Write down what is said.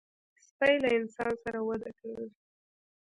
سپي له انسان سره وده کوي.